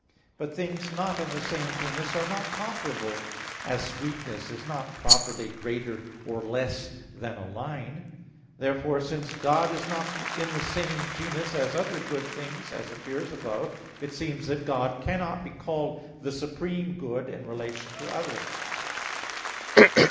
But things not in the same genus are not comparable; as, sweetness is not properly greater or less than a line. Therefore, since God is not in the same genus as other good things, as appears above (QQ. 3, A. 5; 4, A. 3) it seems that God cannot be called the supreme good in relation to others.